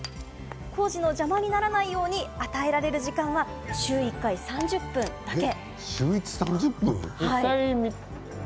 工事の邪魔にならないように与えられる時間は週１回、３０分だけ。